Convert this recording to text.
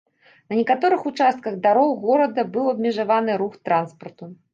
На некаторых участках дарог горада быў абмежаваны рух транспарту.